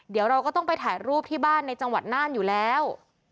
เดี๋ยวเราก็ต้องไปถ่ายรูปที่บ้านในจังหวัดน่านอยู่แล้ว